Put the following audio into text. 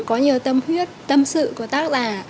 có nhiều tâm huyết tâm sự của tác giả